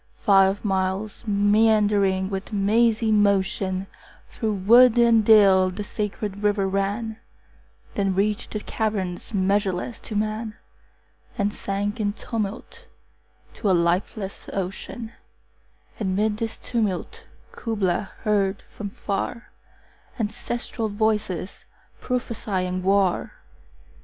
Five miles meandering with a mazy motion 25 Through wood and dale the sacred river ran, Then reach'd the caverns measureless to man, And sank in tumult to a lifeless ocean: And 'mid this tumult Kubla heard from far Ancestral voices prophesying war!